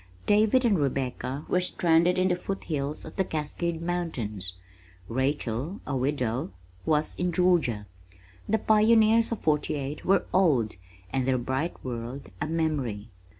David and Rebecca were stranded in the foot hills of the Cascade mountains. Rachel, a widow, was in Georgia. The pioneers of '48 were old and their bright world a memory.